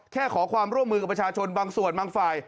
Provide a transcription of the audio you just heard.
ขอความร่วมมือกับประชาชนบางส่วนบางฝ่าย